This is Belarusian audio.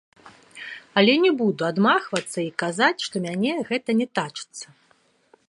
Але не буду адмахвацца і казаць, што мяне гэта не тачыцца.